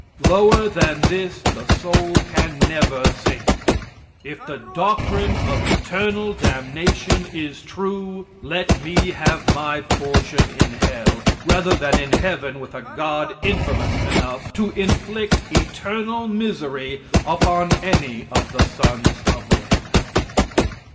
Lower than this the soul can never sink. If the doctrine of eternal damnation is true, let me have my portion in hell, rather than in heaven with a God infamous enough to inflict eternal misery upon any of the sons of men.